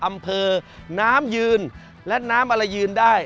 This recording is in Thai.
อำเภอน้ำยืนและน้ำอะไรยืนได้